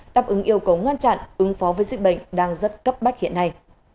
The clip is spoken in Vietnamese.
đáp ứng yêu cầu ngăn chặn ứng phó với dịch bệnh đang rất cấp bách hiện nay